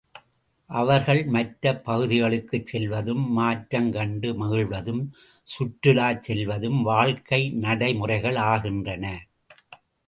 அவர்கள் மற்ற பகுதிகளுக்குச் செல்வதும், மாற்றம் கண்டு மகிழ்வதும், சுற்றுலாச் செல்வதும் வாழ்க்கை நடைமுறைகள் ஆகின்றன.